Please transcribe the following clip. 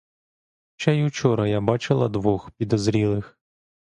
Ще й учора я бачила двох підозрілих.